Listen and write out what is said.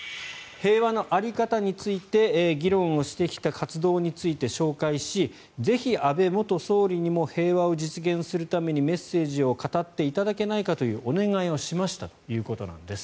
平和の在り方について議論をしてきた活動について紹介しぜひ、安倍元総理にも平和を実現するためにメッセージを語っていただけないかというお願いをしましたということなんです。